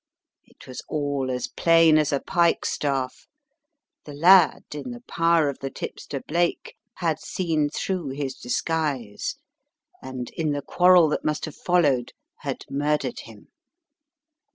It was all as plain as a pikestaff. The lad, in the power of the tipster Blake, had seen through his disguise, and in the quarrel that must have followed had murdered him!